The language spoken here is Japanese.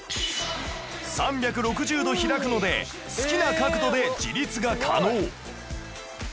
３６０度開くので好きな角度で自立が可能